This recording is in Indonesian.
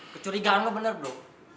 kecurigaan lo bener bu